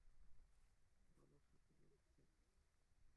ভালো সূচনা দেখালে।